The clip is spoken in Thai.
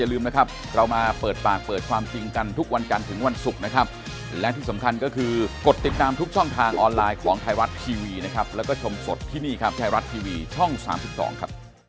อันนี้ผมห่วงที่สุดนะ